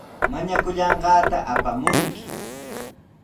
Mañakullanqaata apamunki.